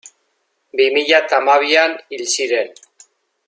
Bi mila eta hamabian hil ziren.